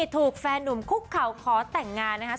แฟนนุ่มคุกเข่าขอแต่งงานนะครับ